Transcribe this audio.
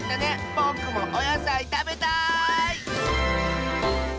ぼくもおやさいたべたい！